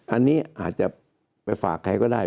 อันนี้อาจจะไปฝากใครก็ได้